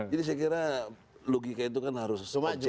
jadi saya kira logika itu kan harus objektif